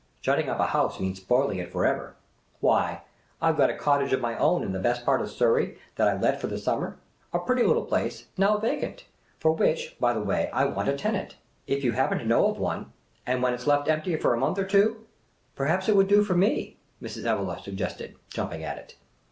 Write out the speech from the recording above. Shutting up a house means spoiling it for ever. Why, I 've got a cottage of my own in the best part of Surrey that I let for the summer — a pretty little place, now vacant, for which, by the < way, I want a tenant, if you happen to know of one — and when it 's left empty for a month or two "" Perhaps it would do for me? " Mrs. Evelegh suggested, jumping at it.